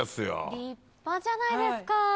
立派じゃないですか！